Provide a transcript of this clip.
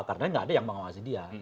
karena gak ada yang mengawasi dia